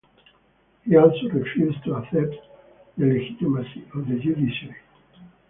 He also refused to accept the legitimacy of the judiciary.